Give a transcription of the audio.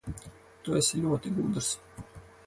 Tu esi ļoti gudrs.